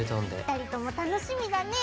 ２人とも楽しみだね。